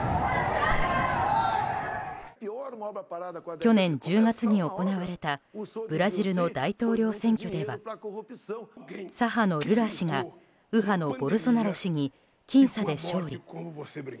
去年１０月に行われたブラジルの大統領選挙では左派のルラ氏が右派のボルソナロ氏に僅差で勝利。